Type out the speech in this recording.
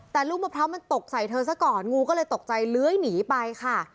แต่ลูกมะพร้าวมันตกใส่เธอซะก่อนงูก็เลยตกใจเลื้อยหนีไปค่ะ